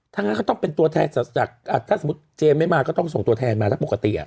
ถ้างั้นก็ต้องเป็นตัวแทนถ้าเจมส์ไม่มาก็ต้องส่งตัวแทนมาแล้วปกติอ่ะ